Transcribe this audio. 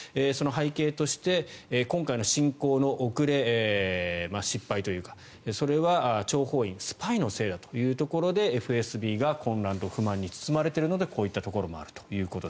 その背景として今回の侵攻の遅れ、失敗というかそれは諜報員スパイのせいだということでＦＳＢが混乱と不満に包まれているのでこういったところもあると。